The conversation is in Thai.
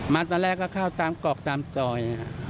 มาตอนแรกก็ข้าวตามกรอกตามจอย